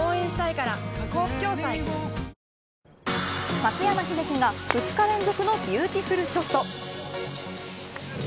松山英樹が２日連続のビーティフルショット。